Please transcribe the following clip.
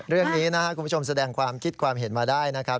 เรื่องนี้นะครับคุณผู้ชมแสดงความคิดความเห็นมาได้นะครับ